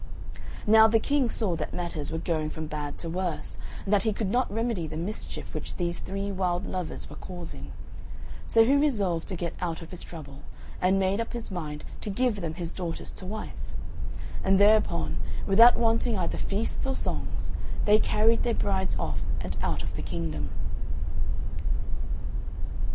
Now the King saw that matters were going from bad to worse, and that he could not remedy the mischief which these three wild lovers were causing; so he resolved to get out of his trouble, and made up his mind to give them his daughters to wife; and thereupon, without wanting either feasts or songs, they carried their brides off and out of the kingdom.